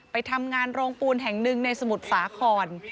ไปทำงานโรงปูนแห่งหนึ่งในสมุทรสาคร